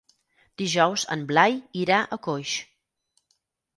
Dijous en Blai irà a Coix.